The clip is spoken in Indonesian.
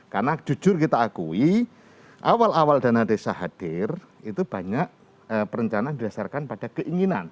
karena jujur kita akui awal awal dana desa hadir itu banyak perencanaan berdasarkan pada keinginan